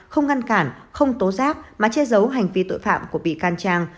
không ngăn cản không tố giác mà che giấu hành vi tội phạm của bị can trang